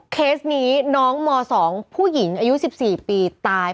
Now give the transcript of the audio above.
เคสนี้น้องม๒ผู้หญิงอายุ๑๔ปีตาย